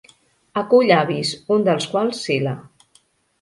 Acull avis, un dels quals Sila.